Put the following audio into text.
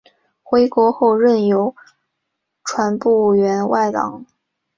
回国后任邮传部员外郎。